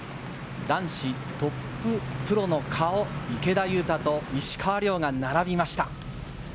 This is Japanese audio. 男子トッププロの顔、池田勇太と石川遼が並びました。